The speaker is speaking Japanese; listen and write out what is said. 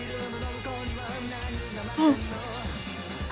うん。